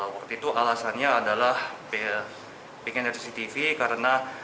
waktu itu alasannya adalah pengen cctv karena